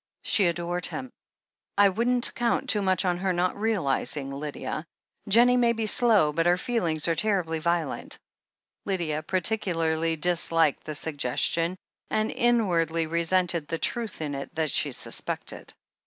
"She adored him. I wouldn't count too much on her not realizing, Lydia. Jennie may be slow, but her feelings are terribly violent;" Lydia particularly disliked the suggestion, and in wardly resented the truth in it that she suspected.